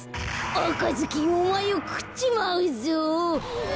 「あかずきんおまえをくっちまうぞ」。